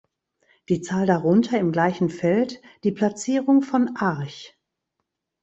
Die Zahl darunter im gleichen Feld die Platzierung von Arch.